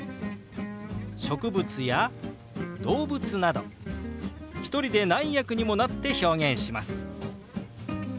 植物や動物など１人で何役にもなって表現します。